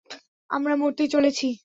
আমরা মরতে চলেছি!